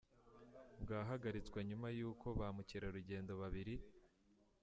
bwahagaritswe nyuma y’uko ba mukerarugendo babiri.